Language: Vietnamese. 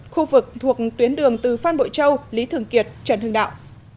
khu vực thuộc tuyến đường từ phan bội châu lý thường kiệt trần hưng đạo